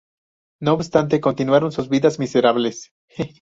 No obstante, continuaron sus vidas miserables.